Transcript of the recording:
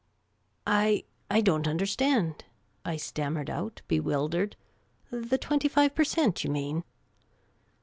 " I — I don't nnderstand," I stammered out bewildered. " The twenty five per cent., you mean